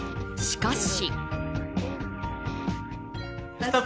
しかし。